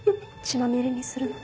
血まみれにするの。